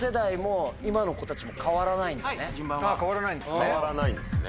変わらないんですね。